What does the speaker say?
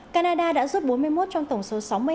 canada đã rút bốn mươi một trong tổng số